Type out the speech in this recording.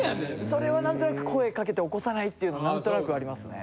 それをなんとなく声かけて起こさないっていうのなんとなくありますね。